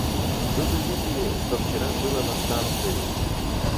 Вы бы видели, что вчера было на станции!